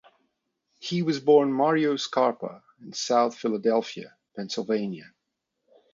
He was born Mario Scarpa in South Philadelphia, Pennsylvania.